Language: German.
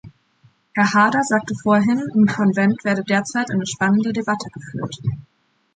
Herr Haarder sagte vorhin, im Konvent werde derzeit eine spannende Debatte geführt.